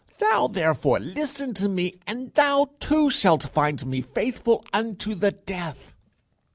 Thou, therefore, listen to me, and thou too shalt find me faithful unto the death."